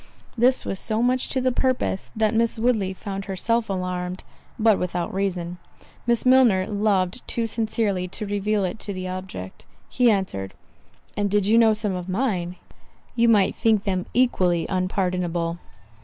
This was so much to the purpose, that Miss Woodley found herself alarmed—but without reason—Miss Milner loved too sincerely to reveal it to the object. He answered, "And did you know some of mine, you might think them equally unpardonable."